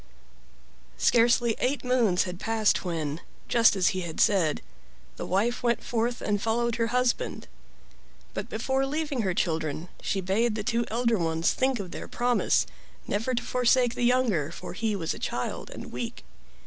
Scarcely eight moons had passed when, just as he had said, the wife went forth and followed her husband; but before leaving her children she bade the two elder ones think of their promise never to forsake the younger, for he was a child and weak.